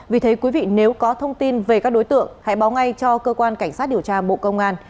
vì thế quý vị nếu có thông tin về các đối tượng hãy báo ngay cho cơ quan cảnh sát điều tra bộ công an